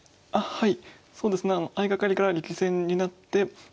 はい。